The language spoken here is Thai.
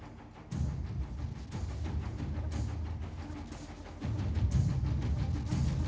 เห้ยที่นี่ฟันไฟไหม้